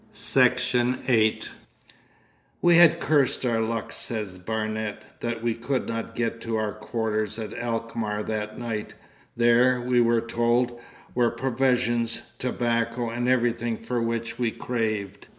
Section 8 'We had cursed our luck,' says Barnet, 'that we could not get to our quarters at Alkmaar that night. There, we were told, were provisions, tobacco, and everything for which we craved.